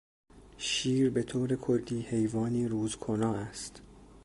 شیر به طور کلی حیوانی روز کنا است.